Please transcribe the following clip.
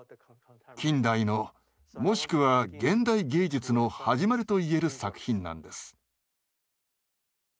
近代のもしくは現代芸術の始まりと言える作品なんです。